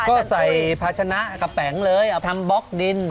ก็ใส่ภาชนะกระแป๋งเลยเอาทำบล็อกดิน